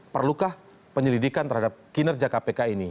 perlukah penyelidikan terhadap kinerja kpk ini